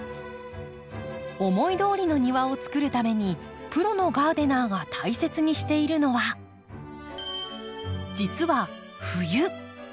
思いどおりの庭をつくるためにプロのガーデナーが大切にしているのは実は冬。